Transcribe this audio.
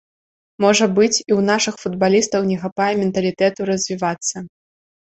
Можа быць, і ў нашых футбалістаў не хапае менталітэту развівацца.